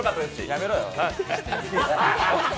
やめろよ。